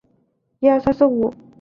纽约洋基